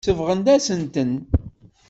Sebɣent-asent-ten.